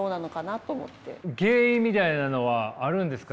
原因みたいなのはあるんですか？